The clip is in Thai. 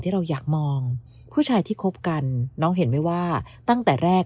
เราอยากมองผู้ชายที่คบกันน้องเห็นไหมว่าตั้งแต่แรก